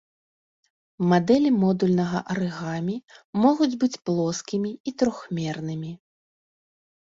Мадэлі модульнага арыгамі могуць быць плоскімі і трохмернымі.